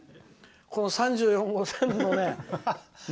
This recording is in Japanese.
この３４号線のね。